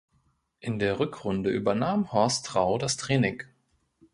In der Rückrunde übernahm Horst Rau das Training.